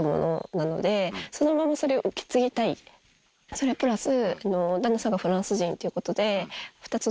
それプラス。